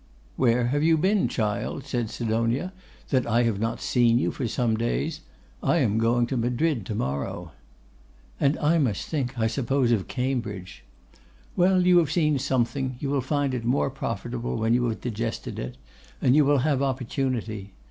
'Where have you been, child,' said Sidonia, 'that I have not seen you for some days? I am going to Madrid tomorrow.' 'And I must think, I suppose, of Cambridge.' 'Well, you have seen something; you will find it more profitable when you have digested it: and you will have opportunity.